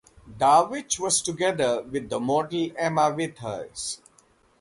Darwich was together with the model Emma Withers.